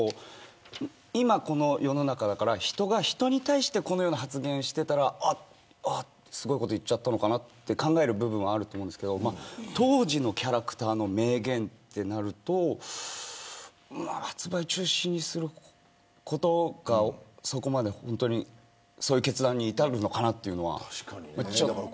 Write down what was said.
今、この世の中だから人が人に対してこのような発言してたらあっ、あっ、すごいこと言っちゃったのかなって考える部分はあると思うんですけど当時のキャラクターの名言ってなると発売中止にすることがそういう決断に至るのかなっていうのはちょっと。